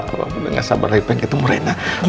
papa gak sabar lagi pengen ketemu rena